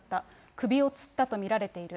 首をつったと見られている。